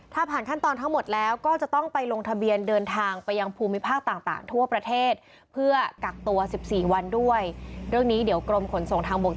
ถ้าผ่านขั้นตอนทั้งหมดแล้วก็จะต้องไปลงทะเบียนเดินทางไปยังภูมิภาคต่างทั่วประเทศ